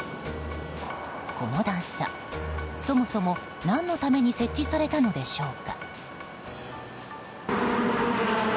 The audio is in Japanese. この段差そもそも何のために設置されたのでしょうか。